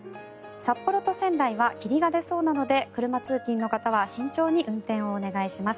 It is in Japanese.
札幌と仙台は霧が出そうなので車通勤の方は慎重に運転をお願いします。